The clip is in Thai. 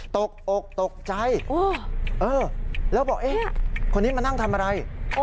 ตกอกตกใจแล้วบอกเอ๊ะคนนี้มานั่งทำอะไร